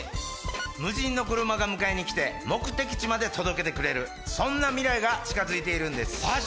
無人の車が迎えに来て目的地まで届けてくれるそんな未来が近づいているんですマジ